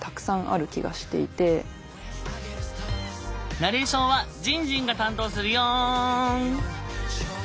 ナレーションはじんじんが担当するよ！